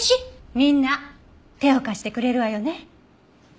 みんな手を貸してくれるわよね？